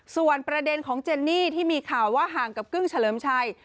ส่วนประเด็นของเจนนี่ที่มีข่าวว่าห่างกับกึ้งเฉลิมชัย